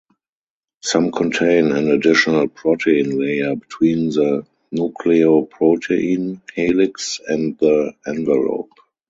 Some contain an additional protein layer between the nucleoprotein helix and the envelope.